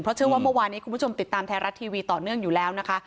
เพราะเชื่อว่าเมื่อวานนี้คุณผู้ชมติดตามไทยรัฐทีวีต่อเนื่องอยู่แล้วนะคะ